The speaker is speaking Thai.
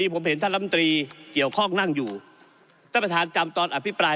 ผมเห็นท่านลำตรีเกี่ยวข้องนั่งอยู่ท่านประธานจำตอนอภิปราย